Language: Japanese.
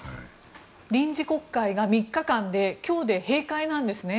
臨時国会が３日間で今日で閉会なんですね。